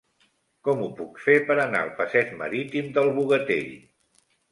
Com ho puc fer per anar al passeig Marítim del Bogatell?